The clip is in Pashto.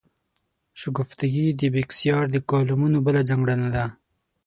شګفتګي د بېکسیار د کالمونو بله ځانګړنه ده.